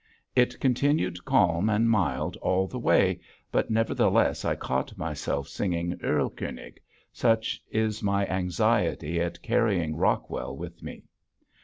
It continued calm and mild all the way, but nevertheless I caught myself singing "Erlkönig," such is my anxiety at carrying Rockwell with me.